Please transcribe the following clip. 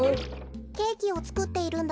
ケーキをつくっているんだけど。